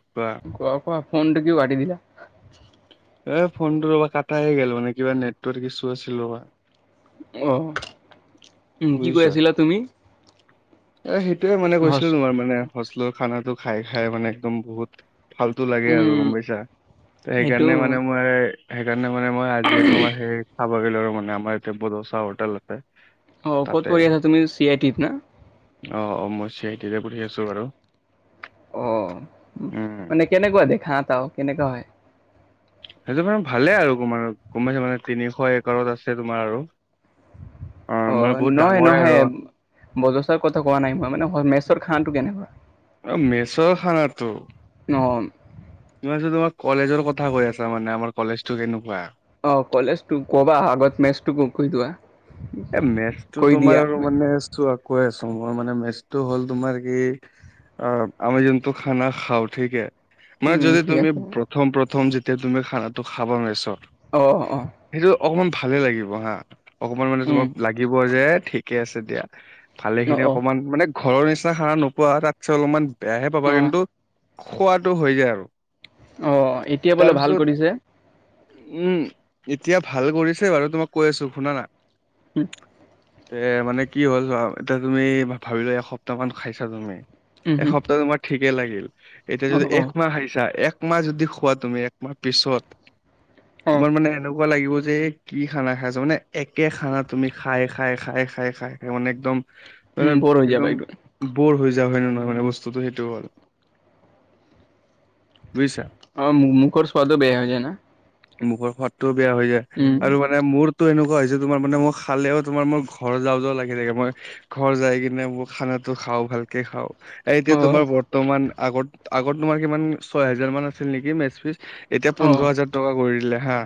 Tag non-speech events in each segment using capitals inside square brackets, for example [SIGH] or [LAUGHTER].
কোৱা। কোৱা কোৱা ফোনটো কিয় কাটি দিলি এ ফোনটো ৰবা কাটা হৈ গ'ল মানে কিবা নেটৱৰ্ক ইছু আছিলে। অ উম কি কৈ বুজিছা আছিলা তুমি এ' সেইটোৱে মানে হচ কৈছিলো তোমাৰ মানে হোষ্টেলৰ খানাটো খাই খাই মানে একদম বহুত ফাল্টু লাগে আৰু উম, গম পাইছা। সেইটো সেইকাৰণে মানে মই সেইকাৰণে মানে মই আজি তোমাৰ সেই খাবলে আহিলো মানে আমাৰ এইয়াতে বদৌচা হোটেল এটাত অ ক'ত পঢ়ি আছা তুমি চি আই টিত না অ অ মই চি আই টিতে পঢ়ি আছো বাৰু। অ' উম মানে কেনেকুৱা দেখাত আৰু কেনেকুৱা হয় সেইটো মানে ভালে আৰু কমাৰ কমাইছে মানে তিনিশ এককাৰত আছে তোমাৰ আৰু মানে অ' বহুত নহয় ডাঙৰে আৰু নহয়। বদৌচা কথা কোৱা নাই মই মানে মেছৰ খানটো কেনেকুৱা অ মেচৰ খানাটো ন তোমাৰ কলেজৰ কথা কৈ আছা মানে আমাৰ কলেজটো কেনেকুৱা অ' কলেজটো কবা আগত মেচটো কৈ লোৱা। এ'মেচটো তোমাৰ আৰু মানে চোৱা কৈ আছো মই মানে মেচটো হ'ল তোমাৰ কি আহ' আমি যোনটো খানা খাওঁ ঠিকে মানে উম, যদি ঠিক তুমি আছে প্ৰথম প্ৰথম যেতিয়া তুমি খানাটো খাবা নোৱাৰিছ অ অ সেইটো অকমান ভালে লাগিব হা অকমান মানে উম, তোমাৰ লাগিব যে ঠিকে আছে দিয়া। ভালে অ', খিনি অ', অকমান মানে ঘৰৰ নিচিনা খানা নোপোৱা তাতচে অলপমান বেয়াহে পাবা অ'। কিন্তু খোৱাটো হৈ যায় আৰু। অ' এতিয়া বোলে ভাল তাৰপিছত কৰিছে উম' এতিয়া ভাল কৰিছে বাৰু তোমাক কৈ আছো শুনা না উম এ' মানে কি হ'ল এতিয়া তুমি ভাবি লোৱা এসপ্তাহ মান খাইছা তুমি উম, এসপ্তাহ তোমাৰ ঠিকে লাগিল এতিয়া যদি অ', অ', একমাহ খাইছা এক একমাহ যদি খোৱা তুমি একমাহ পিছত অ'। তোমাৰ মানে এনেকুৱা লাগিব যে কি খানা খাইছ মানে একে খানা তুমি খাই খাই খাই খাই খাই খাই মানে একদম মানে উম, বৰ হৈ যাবা একদম বৰ হৈ যাও হয় নে নহয় মানে বস্তুটো সেইটো আৰু। বুজিছা অ মু মুখৰ স্বাদো বেয়া হৈ যায় না। মুখৰ সোৱাদটোও বেয়া হৈ যায় উম। আৰু মানে মোৰটো এনেকুৱা হৈছে তোমাৰ মানে মোক খালেও তোমাৰ মই ঘৰ যাও যাও লাগি থাকে মই ঘৰ যাই কিনে মোৰ খানাটো খাওঁ ভালকে খাওঁ। এ এতিয়া তোমাৰ অ', বৰ্তমান আগত আগত তোমাৰ কিমান ছয় হেজাৰ মান আছিল নেকি মেচ ফিচ। এতিয়া অ', পোন্ধৰ হাজাৰ টকা কৰি দিলে হা,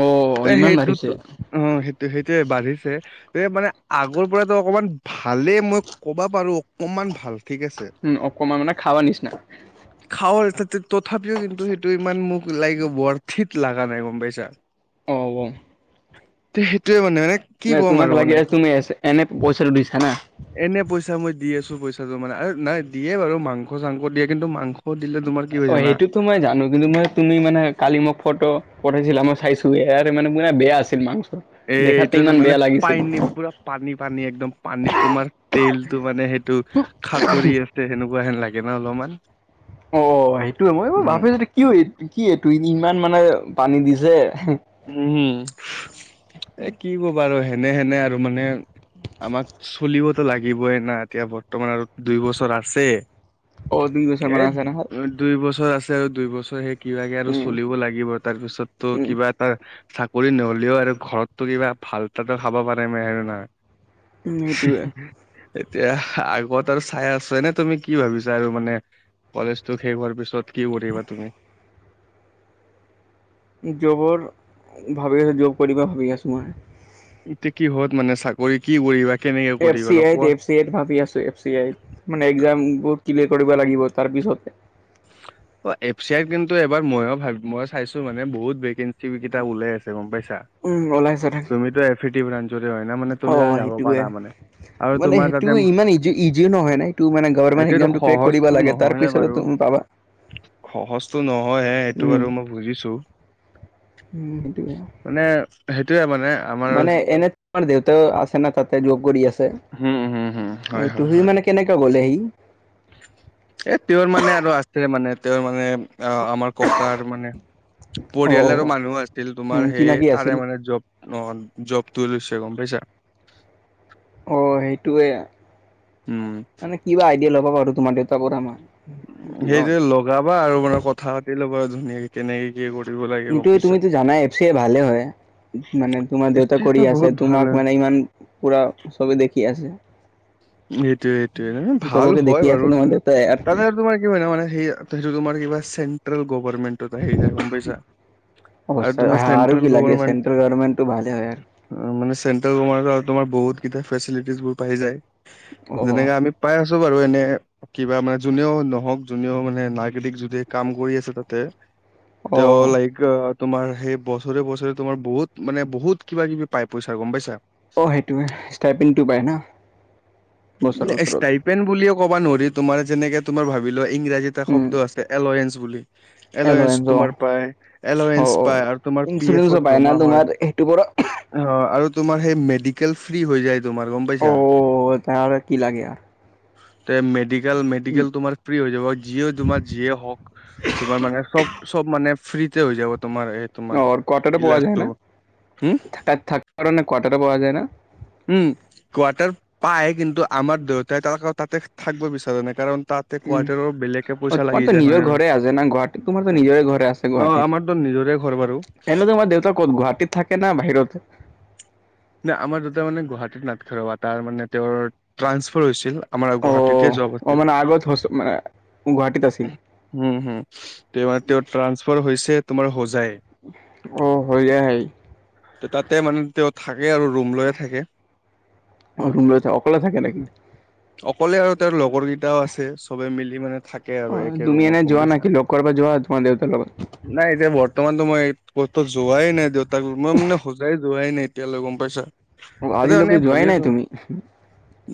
অ' ইমান বাঢ়িছে, সেইটোতো অ', সেইটো সেই। তে বাঢ়িছে। এই মানে আগৰ পৰাতো অকমান ভালেই, মই ক'বা পাৰো অকনমান ভাল ঠিক আছে। উম অকণমান মানে খাবা নিচিনা। [INAUDIBLE] খাওঁ আৰু, তথাপিও কিন্তু সেইটো ইমান মোক লাইক বৰ্থিত লগা নাই গম পাইছা। অ', হ'ব। সেইটোয়ে মানে মানে। কি নাই, ক'ম তোমাক আৰু লাগি মানে আছে তুমি এনে পইচাটো দিছা না? এনে পইচা মই দি আছো, পইচাটো মানে আৰু নাই দিয়ে বাৰু, মাংস চাংস দিয়ে, কিন্তু মাংস। দিলে তোমাৰ কি হয় অ' জানা সেইটোতো মই জানো কিন্তু মই। তুমি মানে কালি মোক ফটো পঠাইছিলা, মই চাইছো, ইয়াৰ মানে মে বেয়া আছিল মাংস। এ দেখাতে এইটোৱেতো, ইমান মানে। বেয়া লাগিছিল। পায় নি, পুৰা পানী পানী, একদম পানীত তোমাৰ তেলটো মানে সেইটো। খাতুৰি আছে, সেনেকুৱা হেন লাগে ন অলপমান। অ', সেইটোৱে, মই এই মই উম ভাবিছো কি এই কি এইটো, ইমান মানে পানী দিছে। উম', এ কি ক'বা আৰু হেনে হেনে আৰু মানে। আমাক চলিবতো লাগিবই না, এতিয়া বৰ্তমান আৰু দুই বছৰ আছে। অ' দুই বছৰ এ মান আছে নহয়, দুই বছৰ আছে, আৰু দুই বছৰ সেই। কিবাকে আৰু উম, চলিব লাগিব, তাৰপিছততো উম, কিবা। ত' চাকৰি নহ'লেও আৰু ঘৰততো কিবা ভাল তাতো খাব পাৰিলে আৰু না। [UNINTELLIGIBLE] উম, সেইটোৱে। [INAUDIBLE] এতিয়া আগত আৰু চাই আছো, এনে তুমি কি ভাবিছা আৰু মানে? কলেজতো শেষ হোৱাৰ পিছত কি কৰিবা তুমি? জবৰ ভাবি আছো জব কৰিবা ভাবি আছো মই। এতিয়া কি হত মানে চাকৰি কি কৰিবা? কেনেকে এফ কৰিবা চি অলপ আই। কোৱা? [UNINTELLIGIBLE] ভাবি আছো এফ চি আইত, মানে একজাম বোৰ ক্লিয়াৰ কৰিব লাগিব, তাৰ পিছতহে। অ', এফ চি আই ত কিন্তু এবাৰ ময়ো ভাব, ময়ো চাইছো মানে, বহুত বে। কেইটা ওলাই আছে গম পাইছা, ওলাইছে থাকে তুমিতো এ। হয় না মানে, তুমি তালে অঁ যাব সেইটোৱে পাৰা মানে। আৰু মানে তোমাৰ সেইটো তাতে ইমান ইজিও নহয় না, এইটো মানে গভমেণ্ট এইটোতো এক্জামটো ক্ৰেক কৰিব সহজটো লাগে, তাৰ নহয়ে পিছত বাৰু হে পাবা। সহজটো নহয় এ, এইটো উম বাৰু মই বুজিছো। উম সেইটোৱে মানে সেইটোয়ে মানে। আমাৰ মানে এনে তোমাৰ দেউতাও আছে ন, তাতে যব কৰি আছে, হম হম হম হয় হয় এইটো হয় মানে। কেনেকা গ'লে সি? এ তেওঁৰ মানে আৰু আছে, মানে তেওঁৰ মানে। অ', আমাৰ ককাৰ মানে অঁ অঁ পৰিয়ালৰো মানুহ আছিল, উম তোমাৰ সেই চিনাকি আছিল তাৰে মানে জব। অ', জবটো এ লৈছে, গম পাইছা? অ', সেইটোৱে, উম মানে কিবা আইডিয়া ল'ব পাৰো তোমাৰ দেউতাৰ পৰা মই। [INAUDIBLE] কিবা হ'লে সেইটোৱে লগাবা আৰু মানে কথা পাতি লবা আৰু ধুনীয়াকে কেনেকে কি কৰিব লাগে। গম কিন্তু পাইছা তুমিতো জানাই, এফ চি আই ভালে হয়। মানে তোমাৰ দেউতা কৰি ষ্টেজটো আছে, বহুত ভাল তোমাক হয় মানে ইমান। পুৰা চবে দেখি আছে। সেইটোয়ে সেইটোয়ে, মানে ভাল চবকে হয় দেখি বাৰু, আছে তোমাৰ মানে দেউতাই আৰু তাতে তোমাৰ। কি মানে, মানে সেই সেটো, তোমাৰ কিবা চেট্ৰেল গভৰ্মেণ্ট। ত, আহি যায় গম পাইছা, আৰু অৱস্থা তোমাৰ আৰু চেণ্ট্ৰেল কি লাগে গৱৰ্ণমেণ্ট চেন্ট্ৰেল গভৰ্ণমেণ্টটো ভালে হয় আৰু মানে চেন্ট্ৰেল গৱৰ্ণমেণ্ট ত, তোমাৰ বহুত কেইটা ফেচিলিটিজবোৰ পাই যায়। অ', যেনেকে আমি পাই আছো বাৰু, এনে কিবা মানে যোনেও নহওঁক। যোনেও মানে নাগৰিক যদি কাম কৰি আছে তাতে, তেওঁ অ'। লাইক তোমাৰ সেই বছৰে, বছৰে তোমাৰ বহুত মানে বহুত কিবা- কিবি পাই পইচা, গম পাইছা। অ, সেইটোৱে ষ্টাইপিংটো পায় না? বছৰ বছৰত ষ্টাইপেন বুলিয়ও ক'ব নোৱাৰি, তোমাৰ যেনেকে তোমাৰ ভাব ভাবি লোৱা ইংৰাজীত এটা উম। শব্দ আছে, এলয়েন্ঞ্চ বুলি। এলেঞ্চ এলৱেঞ্চ অ' তোমাৰ পায়, অ' এলেঞ্চ অ'। পায় আৰু তোমাৰ পি, এফ, ইঞ্চুৰেঞ্চো ত পায় না জমা হয়। তোমাৰ সেইটো পৰা অ, আৰু তোমাৰ সেই মেডিকেল ফ্ৰী হৈ যায়, তোমাৰ গম পাইছা। অ' তাৰ আৰু কি লাগে আৰ তে, মেডিকেল, মেডিকেল তোমাৰ ফ্ৰ্ৰী হৈ যাব, আৰু জিঅ তোমাৰ যিয়ে তোমাৰ যিয়ে হ'ওক। তোমাৰ মানে চব, চব মানে ফ্ৰীতে হৈ যাব, তোমাৰ এই তোমাৰ অ, কোৱাটাৰ পোৱা যায় ইলাজটো নে, হম তাত থাকিব কাৰণে কোৱাটাৰ পোৱা যায় নে? উম, কোৱাটাৰ পায়, কিন্তু আমাৰ দেউতাই তক, তাতে থাকিব বিচাৰে নাই কাৰণ তাতে উম, কোৱাৰ্টাৰৰ বেলেগকে অ, পইচা লাগি তোমাৰতো যায় হয় নিজৰ নে ঘৰে নহয় আছে না, গুৱাহাটীত তোমাৰতো নিজৰে ঘৰে আছে। অ গুৱাহাটীত, আমাৰতো নিজৰে ঘৰ বাৰু এনে তোমাৰ দেউতা ক'ত, গুৱাহাটীত থাকে নে, বাহিৰতে। নে আমাৰ দেউতা মানে, গুৱাহাটীত নাথাকে ৰ'বা, তাৰ মানে তেওঁৰ ট্ৰান্সফাৰ হৈছিল আমাৰ অ গুৱাহা তেতিয়া জব অ আছিল। মানে আগত হচ মানে গুৱাহাটীত আছিল উম, হম, তেওঁ মানে তেওঁ ট্ৰান্সফাৰ হৈছে, তোমাৰ হোজাই। অ, হৈ, যায় হেই ত, তাতে মানে তেওঁ থাকে আৰু ৰুম লৈয়ে থাকে। অ ৰুম লৈ থা অকলে থাকে নেকি অকলে আৰু তাৰ লগৰ গীত এটাও আছে চবে, মিলি মানে থাকে অ আৰু একে তুমি ৰুমত এনে গম যোৱা পাইছা। নেকি লগ কৰবা যোৱা তোমাৰ দেউতাৰ লগত নাই এতিয়া বৰ্তমানতো মই ক'তো যোৱাই নাই, দেউতাক মই মানে হোজাই যোৱাই নাই। তেতিয়ালৈ গম, পাইছা। তাতে আজি মানে লোকে, ভাবি যোৱাই আছো নাই তুমি?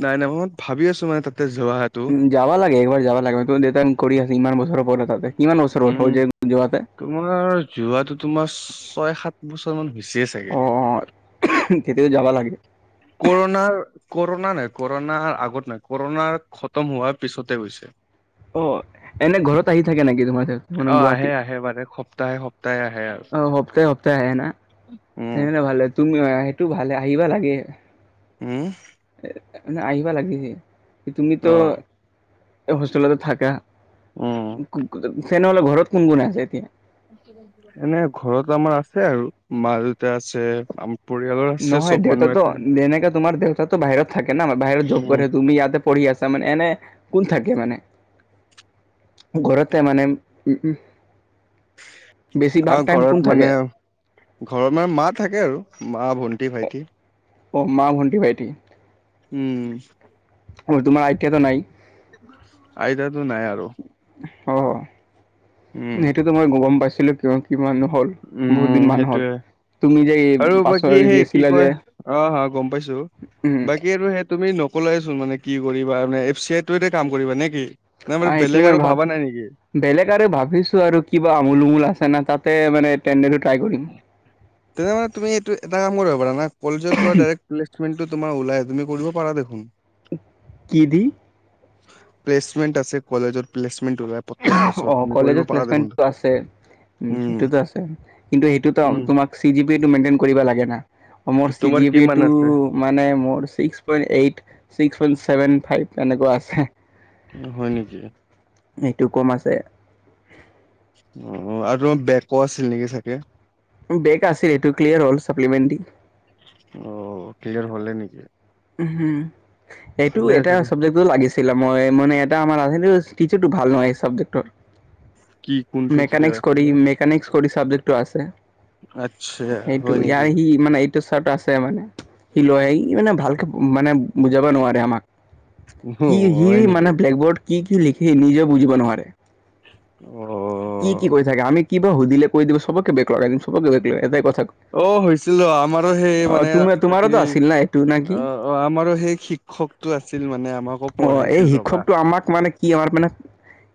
নাই, নাই, মই ভাবি আছো, মানে তাতে যোৱাত। উম, যাবা লাগে, একবাৰ যাব লাগে, তোমাৰ দেউতাই কৰি আছি ইমান বছৰৰ পৰা তাতে। কিমান বছৰ হ'ল উম, হৈ যায় যোৱাতে তোমাৰ যোৱাতটো তোমাৰ ছয়, সাত বছৰ মান, হৈছেে চাগে। [INAUDIBLE] কেতিয়াবা যাবা লাগে। কৰণাৰ কৰণা নাই, কৰণাৰ আগত নাই, কৰণাৰ খতম হোৱাৰ পিছতে গৈছে। অ, এনে ঘৰত আহি থাকে নেকি? তো, মাজ মানে, গুৱাহাটি আহে অ, আহে মানে সপ্তাহে সপ্তাহে আহে আৰু সপ্তাহে সপ্তাহে আহে, না। উম তেনেহ'লে ভালে তুমি সেইটো ভালে, আহিবা লাগে। উম, এ, আহিবা লাগিছিল তুমিতো অ হোষ্টেলতে থাকা। উম তেনে হ'লে ঘৰত কোন, কোন আছে এতিয়া? এনে ঘৰত আমাৰ আছে আৰু মা-দেউতা আছে, আম নহয় দেউতাতো যেনেকে তোমাৰ দেউতাতো বাহিৰত থাকে ন, বাহিৰত জব উম কৰে তুমি ইয়াতে পঢ়ি আছা মানে এনে, কোন থাকে মানে? ঘৰতে মানে, উম, উম, বেছিভাগ আমাৰ টাইম কোন মানে থাকে? ঘৰত মানে মা থাকে আৰু, মা ভন্টি ভাইটি। অ', মা ভণ্টি ভাইটি। উম। আৰু তোমাৰ আইতাটো নাই? আইতাটো নাই আৰু। অ', উম সেইটোতো মই গম পাইছিলো কিয় কি মানুহ হ'ল। বহুত দিন উম, মান হ'ল। তুমি যে এই সেইটোয়ে। আৰু পাছত বাকী সেই কি গেছিলা যে কয় অ', অ', গম পাইছো। উম, বাকী আৰু সেই তুমি নকলাই চোন মানে কি কৰিবা মানে এফ চি আই তোয়েতে কাম কৰিবা নে কি? নে আ, মানে এইটো বেলেগ মই আৰু ভাব ভাবা নাই নেকি বেলেগ আৰু ভাবিছোঁ আৰু কিবা আমোল উমোল আছে না তাতে মানে ট্ৰেণ্ডাৰটো ট্ৰাই কৰিম। তেনে মানে তুমি এইটো এটা কাম কৰিব পাৰা না, কলেজৰ পৰা ডাইৰেক্ প্লেচমেনটো তোমাৰ ওলাই, তুমি কৰিব পাৰা দেখোন। কি দি? প্লেচমেন্ট আছে কলেজত প্লেচমেট ওলা অ', কলেজত প্লেচমেনটো আছে উম, সেইটোতো আছে। কিন্তু সেইটোতাও উম তোমাক চি জি পি এটো মেইনটেইন কৰিব লাগে না, আৰু মোৰ চি তোমাৰ জি কিমান পিয়েটো আছে মানে মোৰ six point eight, six point seven five এনেকুৱা আছে। হয় নেকি? সেইটো কম আছে। অ', আৰু তোমাৰ বেকো আছিল নেকি চাগে? বেগ আছিল এইটো ক্লিয়াৰ হ'ল চাপ্লিমেণ্ট দি। অ', ক্লিয়াৰ হলে নেকি? উম, এইটো ভালে এটা আছে দে চাবজেক্ট তো লাগিছিলে মই মানে এটা আমাৰ [UNINTELLIGIBLE] টিচাৰটো ভাল নহয় এই চাবজেক্টৰ। কি কোনটো চিকাৰ মেকানিক্স কৰি, আছিলে মেকানিক্স কৰি চাবজেক্টো আছে। আচ্ছা সেইটো হয় ইয়াৰ নেকি সি মানে এই তো চাৰ্ট আছে মানে। সি লৈয়েই ই মানে ভালকে মানে বুজাব নোৱাৰে আমাক। অ কি সি হয় মানে নেকি ব্লেকবৰ্ড কি কি লিখি নিজেও বুজিব নোৱাৰে। অ'। কি কি কৰি থাকে, আমি কিবা সুধিলে কৈ দিব চবকে বেক লগাই দিম, চবকে বেক লগাই দিম এটাই কথা অ', হৈছিলো আমাৰো সেই মানে কি নাইটো নাক অ', অ', আমাৰো সেই শিক্ষকটো আছিল মানে আমাকো অ পঢ়াইছিল। এই ৰবা শিক্ষকটো আমাক মানে কি আমাৰ মানে,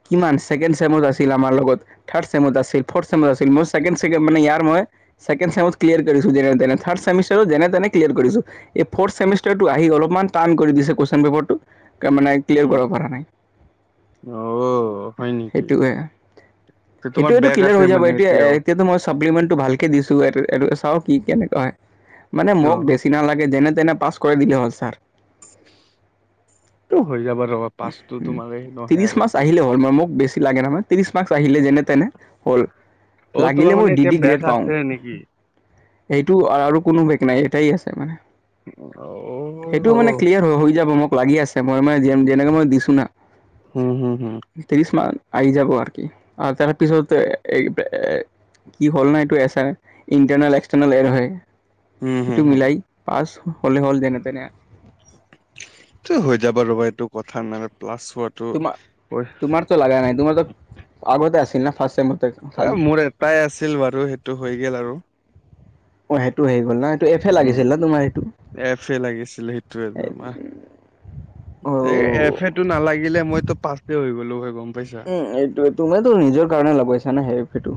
কিমান ছেকেণ্ড চেমৰ আছ্ ছিল আমাৰ লগত, থাৰ্ড ছেমত আছিল, ফৰ্ড ছেমত আছিল, মোৰ ছেকেণ্ড চেম মানে ইয়াৰ মই ছেকেণ্ড ছেমত ক্লিয়াৰ কৰিছো যেনেতেনে, থাৰ্ড চেমিষ্টাৰো যেনেতেনে ক্লিয়াৰ কৰিছোঁ। এই ফৰ্থ চেমিষ্টাৰটো আহি অলপমান টান কৰি দিছে কুৱেশচন পেপাৰটো, কে মানে ক্লিয়াৰ উম কৰিব পৰা নাই, অ হয় নেকি সেইটোৱে। তে তোমাৰ সেইটোৱেটো বেগ ক্লিয়াৰ আছে হৈ যাব মানে এতিয়া এতিয়াও এতিয়াতো মই চাপ্লিমেণ্টটো ভালকে দিছো, এইটো এইটো চাও কি কেনেকুৱা হয়। মানে মোক অ বেছি নালাগে যেনে তেনে পাছ কৰাই দিলে হ'ল ছাৰ। টো হৈ যাবা ৰবা পাচটো তোমাৰ সে নহয় আৰু। তোমাৰ মোক বেছ লাগে নহয় ত্ৰিশ মাৰ্ক্স আহিলে যেনে তেনে হ'ল। অ তোমাৰ লাগিলে মই মানে ডি এতিয়া ডি বেগ গ্ৰেড পাওঁ। আছে নেকি সেইটো আৰু কোনো বেগ নাই এটাই আছে মানে। অ সেইটো মানে ক্লিয়াৰ হৈ হৈ যাব মোক লাগি আছে, মই মানে যেনেকে মই দিছো না। হুম হুম হুম। ত্ৰিশ মান আহি যাব আৰু কি তাৰে পিছত এই এ কি হ'ল না এইটো এছাৰ ইণ্টাৰনেল এক্সটাৰনেল এৰহে হুম হুম সেইটো হুম মিলাই পাছ হ'লে হ'ল যেনে তেনে। এইটো‌ হৈ যাবা ৰ'বা এইটো কথা নাই প্লাছ ফৰ্ড তোমাৰ তোমাৰতো লগা নাই তোমাৰতো আগতে আছিল না ফাৰ্ষ্ট ছেমত? এ মোৰ এটাই আছিল বাৰু সেইটো হৈ গেল আৰু। অ সেইটো হে গ'ল না এইটো এফে উম লাগিছিল না তোমাৰ এইটো। এফ এ লাগিছিলে সেইটোৱে তোমাৰ এই এফেটো নালাগিলে মইতো পাচে হৈ গলো হয় গম পাইছা! উম এইটোৱে তুমিতো নিজৰ কাৰণে লগাইছা সেই এফেটো।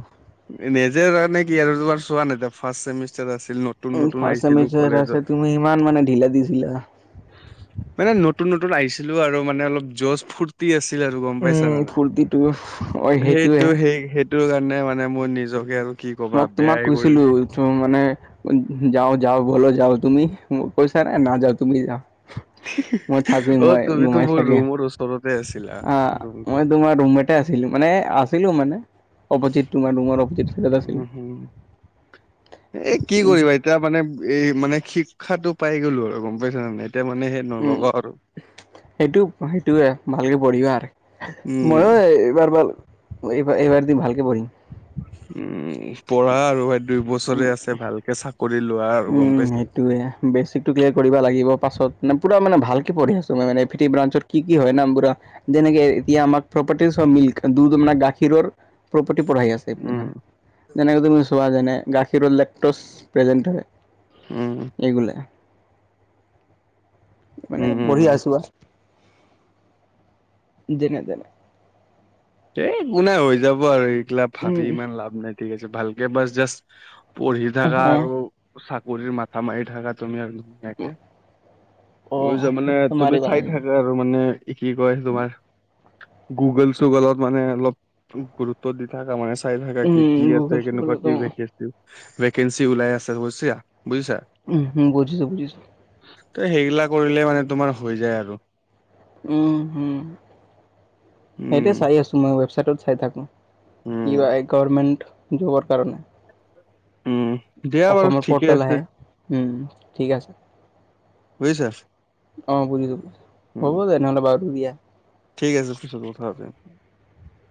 নিজেৰ কাৰণে কি আৰু তোমাৰ চোৱা নাই এতিয়া ফাৰ্ষ্ট চেমিষ্টাৰ আছিল ন। উম ফাৰ্ষ্ট চেমিষ্টাৰ আছে তুমি ইমান মানে ঢিলা দিছিলা। মানে নতুন নতুন আহিছিলো আৰু মানে অলপ জচ ফূৰ তি আছিল আৰু গম পাইছা উম, নে নাই? ফূৰ্তিটো অ' সেইটোৱে। সেইটো সেই সেই টো কাৰণে মানে মোৰ নিজকে আৰু কি কবা মোক তোমাক বেয়াই কৰি কৈছিলো [UNINTELLIGIBLE] মানে যাওঁ যাওঁ বলা যাওঁ তুমি কৈছা নে নাযাও তুমি যাওঁ। মই থাকিম [UNINTELLIGIBLE] অ মই তুমিতো ঘুমাই মোৰ থাকিম। ৰুমৰ ওচৰতে আছিলা ৰুমটো। তে আছিলো মানে আছিলো মানে অপজিত তোমাৰ ৰুমৰ অপজিত চাইডত আছিলো। এই কি কৰিবা এতিয়া মানে এই মানে শিক্ষাটো পাই গ'লো আৰু গম পাইছা নে? মানে এতিয়া মানে সেই উম, নলগা আৰু। সেইটো সেইটো‌ৱে ভালকে পঢ়িবা আৰু, ময়ো উম, এইবাৰ ভাল এইবা এইবাৰ দিম ভালকে পঢ়িম। উম পঢ়া আৰু এই দুই বছৰে আছে ভালকে চাকৰি লোৱা আৰু। গম পাইছা? এইটোৱে বেচিকটো ক্লিয়াৰ কৰিব লাগিব পাছত মান পোৰা মানে ভালকে পঢ়ি আছোঁ মই মানে, [UNINTELLIGIBLE] ব্ৰাঞ্চত কি কি হয় [UNINTELLIGIBLE] যেনেকে এতিয়া আমাক প্ৰপাৰটি মিল্ক দুধ মানে গাখীৰৰ প্ৰপাৰ্টি পঢ়াই আছে উম, [UNINTELLIGIBLE] যেনেকে তুমি চোৱা যেনে গাখীৰৰ লেক্টোচ প্ৰেজেন্ট হয়। উম। এইগোলে মানে উম, উম, পঢ়ি উম। আছোঁ আৰ যেনে তেনে। এই একো নাই হৈ যাব আৰু এইগিলা উম ভাবি ইমান লাভ নাই ঠিক আছে ভালকে বাচ জাষ্ট পঢ়ি থাকা অ' আৰু চাকৰিৰ মাথা মাৰি থাকা তুমি আৰু। অ' [UNINTELLIGIBLE] মানে সেইটো তুমি মাৰিব চাই লাগিব থাকা আৰু মানে কি কয় তোমাৰ গুগল চুগলত মানে অলপ গুৰুত -ত্ব দি থাকা মান চাই থাকা কি উম কি গুগল আছে কেনেকুৱা চুগলতো কি ভেকে ভেকেঞ্চি ওলাই আছে [UNINTELLIGIBLE] বুজিছা? উম বুজিছো বুজিছো। ত সেইগিলা কৰিলে মানে তোমাৰ হৈ যায় আৰু। উম হম সেইটোৱে উম, চাই আছো মই ৱেবচাইটত চাই থাকো। কিবা উম, এই গভৰমেণ্ট জবৰ কাৰণে। উম, দিয়া বাৰু অকমৰ ঠিকে পৰ্টেল আছে আহে উম ঠিক আছে বুইছে অ বুজিছো হব তেনেহ'লে বাৰু দিয়া ঠিক আছে পিছত কথা পাতিম